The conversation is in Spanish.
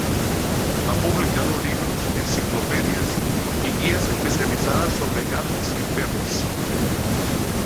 Ha publicado libros, enciclopedias y guías especializadas sobre gatos y perros.